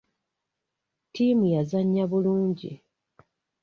Ttiimu yazannya bulungi.